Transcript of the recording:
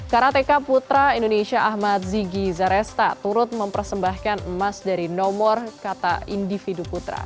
karateka putra indonesia ahmad zigy zaresta turut mempersembahkan emas dari nomor kata individu putra